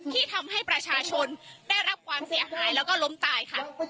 ที่ทำให้ประชาชนได้รับความเสียหายแล้วก็ล้มตายค่ะ